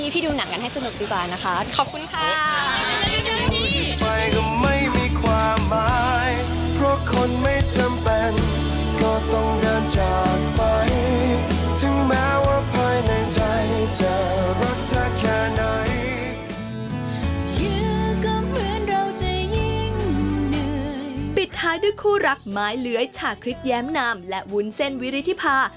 ปิดท้ายด้วยคู่รักไม้เลื้อยชาคริสแย้มนามและวุ้นเส้นวิริธิภา